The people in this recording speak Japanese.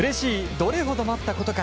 どれほど待ったことか。